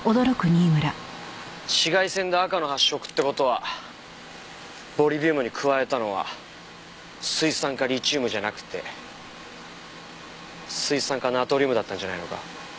紫外線で赤の発色って事はボリビウムに加えたのは水酸化リチウムじゃなくて水酸化ナトリウムだったんじゃないのか？